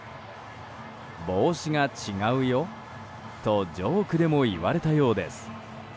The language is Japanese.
帽子が違うよとジョークでも言われたようです。